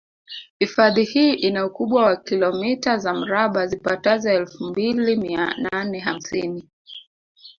Hifadhi hii ina ukubwa wa kilometa za mraba zipatazo elfu mbili mia nane hamsini